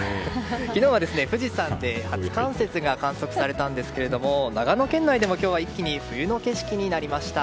昨日は富士山で初冠雪が観測されたんですが長野県内でも今日は一気に冬の景色になりました。